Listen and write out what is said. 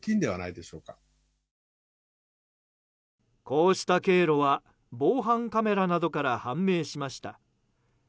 こうした経路は防犯カメラなどから判明しました。